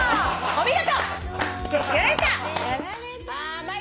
お見事！